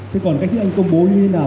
thế còn cách thức ăn công bố như thế nào